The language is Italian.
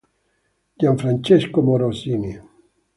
Gianfrancesco Morosini